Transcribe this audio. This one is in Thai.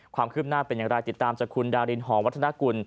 ความคืบหน้าเป็นอย่างไรติดตามจากคุณดารินหอวัฒนากุล